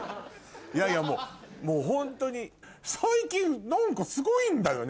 いやいやもうホントに最近何かすごいんだよね